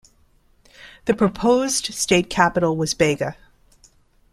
The proposed state capital was Bega.